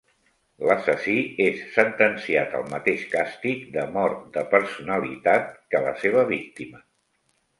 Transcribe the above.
L'assassí és sentenciat al mateix càstig de "mort de personalitat" que la seva víctima.